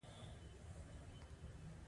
کوم کس د استعفا غوښتنه کولی شي؟